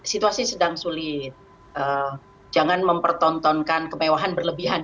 situasi sedang sulit jangan mempertontonkan kemewahan berlebihan